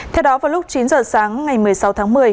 theo đó vào lúc chín giờ sáng ngày một mươi sáu tháng một mươi